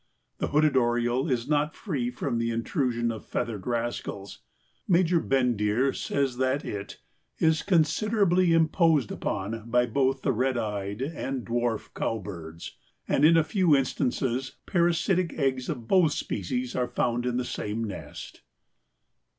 The Hooded Oriole is not free from the intrusion of feathered rascals. Major Bendire says that it "is considerably imposed upon by both the red eyed and the dwarf cow birds, and in a few instances parasitic eggs of both species are found in the same nest."